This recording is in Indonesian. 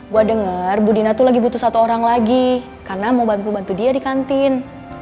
gue denger bu dina tuh lagi butuh satu orang lagi karena mau bantu bantu dia di kantin